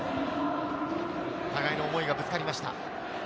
互いの思いがぶつかりました。